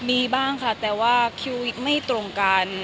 มีบ้างแต่ว่าควิวิทย์ไม่ตรงกัน